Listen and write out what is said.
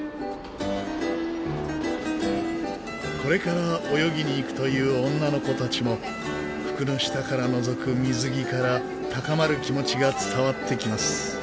これから泳ぎに行くという女の子たちも服の下からのぞく水着から高まる気持ちが伝わってきます。